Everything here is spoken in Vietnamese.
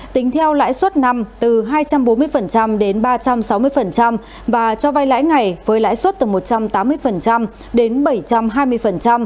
tính theo lãi suất năm từ hai trăm bốn mươi đến ba trăm sáu mươi và cho vay lãi ngày với lãi suất từ một trăm tám mươi đến bảy trăm hai mươi